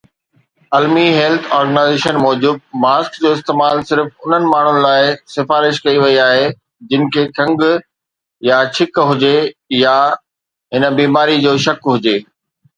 المي health organisation موجب، mask جو استعمال صرف انهن ماڻهن لاءِ سفارش ڪئي وئي آهي جن کي کنگهه يا ڇڪ هجي يا هن بيماريءَ جو شڪ هجي.